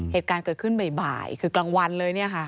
เหตุการณ์เกิดขึ้นบ่ายคือกลางวันเลยเนี่ยค่ะ